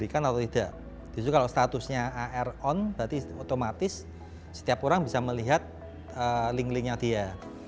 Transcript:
justru kalau statusnya ar on berarti otomatis setiap orang bisa melihat link linknya dia